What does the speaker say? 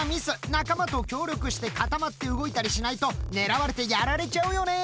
仲間と協力して固まって動いたりしないとねらわれてやられちゃうよね。